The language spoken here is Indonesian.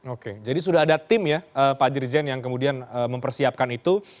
oke jadi sudah ada tim ya pak dirjen yang kemudian mempersiapkan itu